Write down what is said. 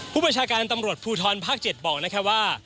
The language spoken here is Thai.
ผู้บัญชาการตำรวจภูทรภาค๗บอกนะครับว่า